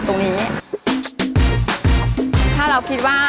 ตรงนี้ถ้าเราคิดว่า